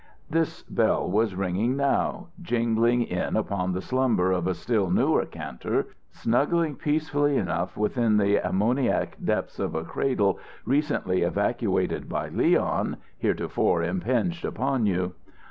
This bell was ringing now, jingling in upon the slumber of a still newer Kantor, snuggling peacefully enough within the ammoniac depths of a cradle recently evacuated by Leon, heretofore impinged upon you.